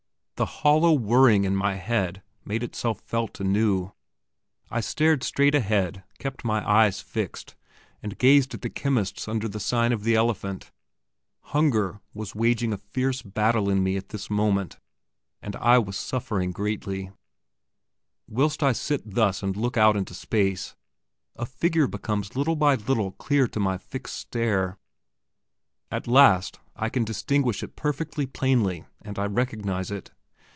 The hollow whirring in my head made itself felt anew. I stared straight ahead, kept my eyes fixed, and gazed at the chemist's under the sign of the elephant. Hunger was waging a fierce battle in me at this moment, and I was suffering greatly. Whilst I sit thus and look out into space, a figure becomes little by little clear to my fixed stare. At last I can distinguish it perfectly plainly, and I recognize it.